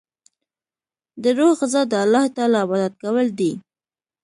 د روح غذا د الله تعالی عبادت کول دی.